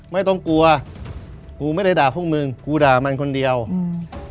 ไม่ต้องกลัวกูไม่ได้ด่าพวกมึงกูด่ามันคนเดียวอืม